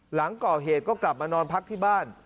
หลังก่อเหตุก็กลับมานอนพักที่บ้าน